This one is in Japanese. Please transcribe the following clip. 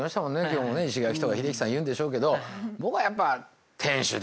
今日もね石垣とか英樹さん言うんでしょうけど僕はやっぱ天守でしょうね